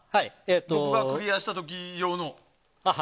僕がクリアした時用の。